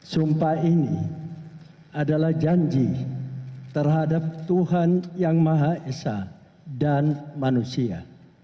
sumpah ini adalah janji terhadap tuhan yang maha esa dan manusia